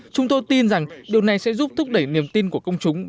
chúng tôi tin rằng điều này sẽ giúp thúc đẩy niềm tin của công chúng